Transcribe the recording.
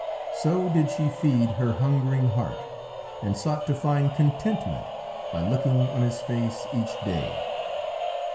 So did she feed her hungering heart, and sought to find contentment by looking on his face each day.